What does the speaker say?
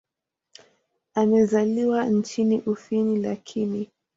Amezaliwa nchini Ufini lakini.